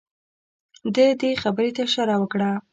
ده دې خبرې ته اشاره وکړه.